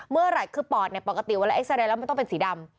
เมื่อไหร่คือปอดเนี่ยปกติเวลาเอ็กซาเรย์แล้วมันต้องเป็นสีดำ